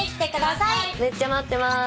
めっちゃ待ってます。